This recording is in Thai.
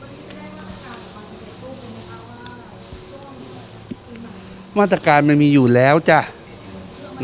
วันนี้จะได้มาตรการของความผิดใจพูดมั้ยคะว่าช่วงคือคือไหน